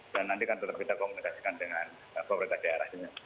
dan nanti kan tetap kita komunikasikan dengan pemerintah daerahnya